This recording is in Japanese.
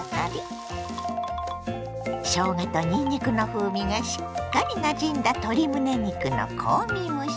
しょうがとにんにくの風味がしっかりなじんだ鶏むね肉の香味蒸し。